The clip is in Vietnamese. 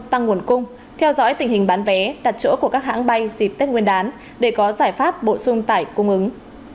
tăng nguồn cung theo dõi tình hình bán vé đặt chỗ của các hãng bay dịp tết nguyên đán để có giải pháp bổ sung tải cung ứng